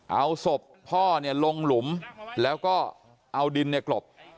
เอาศพพ่อเนี่ยลงหลุมแล้วก็เอาดินเนี่ยกรบ